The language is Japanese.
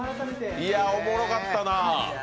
いや、おもろかったな。